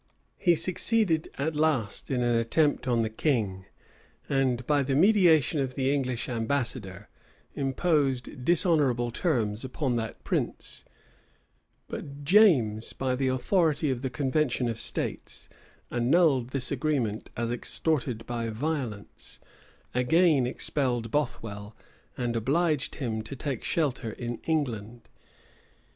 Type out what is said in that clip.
He succeeded at last in an attempt on the king; and by the mediation of the English ambassador, imposed dishonorable terms upon that prince: but James, by the authority of the convention of states, annulled this agreement as extorted by violence, again expelled Bothwell, and obliged him to take shelter in England.